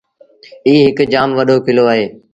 ايٚ هَڪ جآم وڏو ڪلو اهي۔